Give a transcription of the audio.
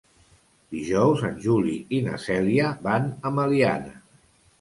Dijous en Juli i na Cèlia van a Meliana.